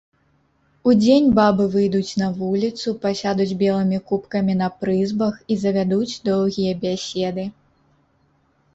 Удзень бабы выйдуць на вуліцу, пасядуць белымі купкамі на прызбах і завядуць доўгія бяседы.